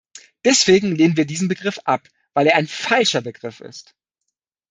Deswegen lehnen wir diesen Begriff ab, weil er ein falscher Begriff ist.